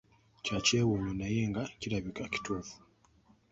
Kya kyewunyo naye nga kirabika kituufu.